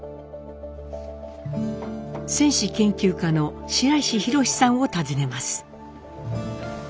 戦史研究家の白石博司さんを訪ねます。